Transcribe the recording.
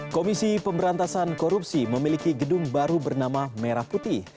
komisi pemberantasan korupsi memiliki gedung baru bernama merah putih